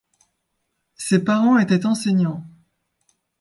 Ses parents étaient enseignants.